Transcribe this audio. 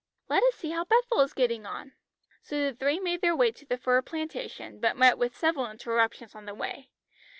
"Let us see how Bethel is getting on." So the three made their way to the fir plantation, but met with several interruptions on the way.